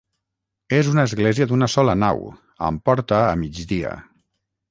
És una església d'una sola nau, amb porta a migdia.